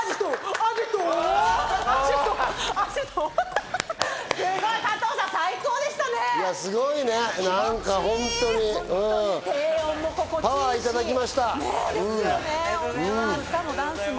パワーいただきました。